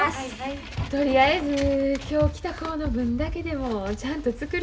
とりあえず今日来た子の分だけでもちゃんと作る。